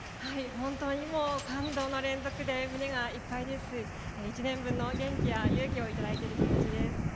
本当に感動の連続で胸がいっぱいですし１年分の元気や勇気をいただいている気持ちです。